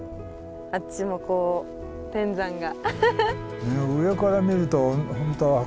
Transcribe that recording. あっちもこう天山が。